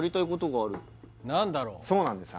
そうなんですよ